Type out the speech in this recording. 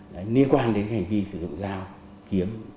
liên quan đến hành vi sử dụng dao kiếm